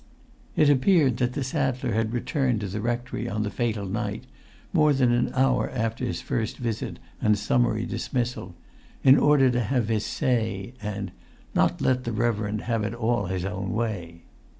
It appeared that the saddler had returned to the rectory on the fatal night, more than an hour after his first visit and summary dismissal, in order to have his "say," and "not let the reverend have it all his own way."